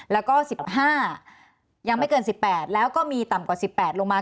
แล้วก็๑๕ยังไม่เกิน๑๘แล้วก็มีต่ำกว่า๑๘ลงมา